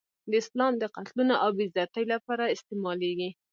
دا اسلام د قتلونو او بې عزتۍ لپاره استعمالېږي.